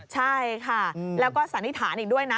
ใช่ค่ะแล้วก็สันนิษฐานอีกด้วยนะ